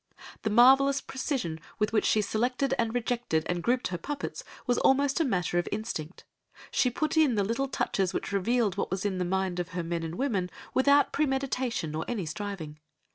The marvellous precision with which she selected and rejected and grouped her puppets was almost a matter of instinct. She put in the little touches which revealed what was in the mind of her men and women without premeditation or any striving.